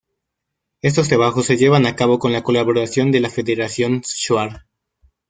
Estos trabajos se llevan a cabo con la colaboración de la Federación Shuar.